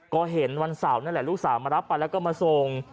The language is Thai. ก็เห็นวันเสาร์นั่นแหละลูกสาวมารับไปแล้วก็มาส่ง